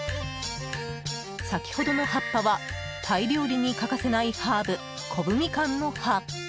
先ほどの葉っぱはタイ料理に欠かせないハーブコブミカンの葉。